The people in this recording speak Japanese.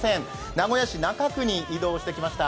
名古屋市中区に移動してきました。